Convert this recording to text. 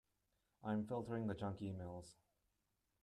I'm filtering the junk emails.